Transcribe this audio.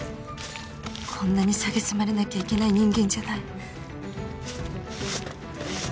こんなにさげすまれなきゃいけない人間じゃない